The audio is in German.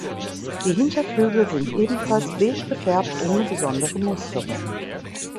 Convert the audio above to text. Die Hinterflügel sind ebenfalls beige gefärbt ohne besondere Musterung.